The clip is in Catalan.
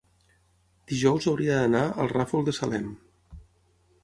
Dijous hauria d'anar al Ràfol de Salem.